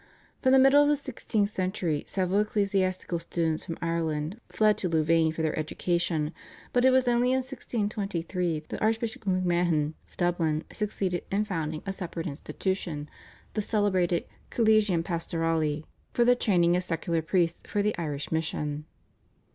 From the middle of the sixteenth century several ecclesiastical students from Ireland fled to Louvain for their education, but it was only in 1623 that Archbishop MacMahon of Dublin succeeded in founding a separate institution, the celebrated /Collegium Pastorale/ for the training of secular priests for the Irish mission.